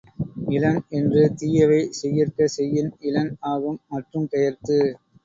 இலன் என்று தீயவை செய்யற்க செய்யின் இலன் ஆகும் மற்றும் பெயர்த்து.